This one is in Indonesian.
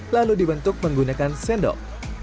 lalu dibentuk menggunakan sendok